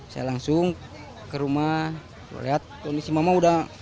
saya langsung ke rumah lihat kondisi mama udah